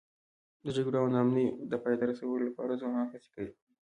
د جګړو او ناامنیو د پای ته رسولو لپاره ځوانان هڅې کوي.